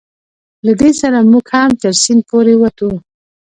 له دې سره موږ هم تر سیند پورې وتو.